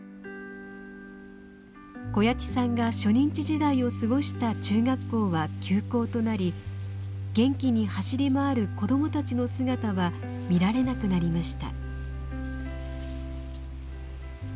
小谷内さんが初任地時代を過ごした中学校は休校となり元気に走り回る子供たちの姿は見られなくなりました。